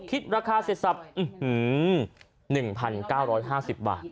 คิดราคาเสร็จสับอื้อหือหนึ่งพันเก้าร้อยห้าสิบบาท